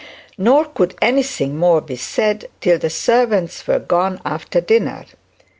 Nor could anything more be said till the servants were gone after dinner.